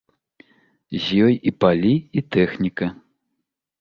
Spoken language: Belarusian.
З ёй і палі, і тэхніка.